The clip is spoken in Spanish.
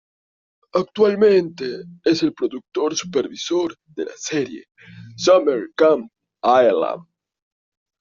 Actualmente es el productor supervisor de la serie "Summer Camp Island".